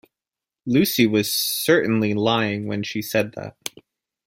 Lucy was certainly lying when she said that.